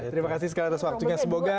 terima kasih sekali atas waktunya semoga